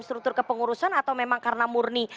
struktur kepengurusan atau memang karena murni